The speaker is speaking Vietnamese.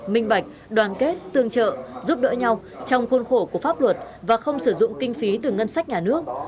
minh bạch đoàn kết tương trợ giúp đỡ nhau trong khuôn khổ của pháp luật và không sử dụng kinh phí từ ngân sách nhà nước